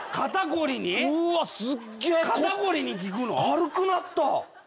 軽くなった。